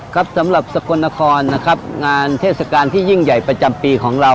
ครับสำหรับสกลนครนะครับงานเทศกาลที่ยิ่งใหญ่ประจำปีของเรา